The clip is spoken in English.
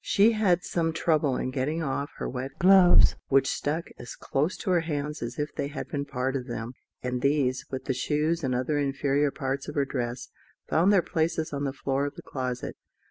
She had some trouble in getting off her wet gloves, which stuck as close to her hands as if they had been part of them; and these, with the shoes and other inferior parts of her dress, found their places on the floor of the closet.